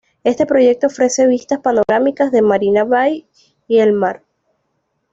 Este proyecto ofrece vistas panorámicas de Marina Bay y el mar.